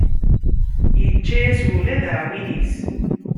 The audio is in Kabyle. Yečča-yas ula d aɛwin-is.